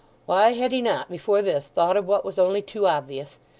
Why had he not, before this, thought of what was only too obvious?